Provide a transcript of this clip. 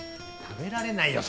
食べられないよ